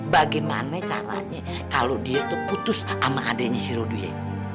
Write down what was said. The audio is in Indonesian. bagaimana caranya kalo dia tuh putus sama adeknya si rodie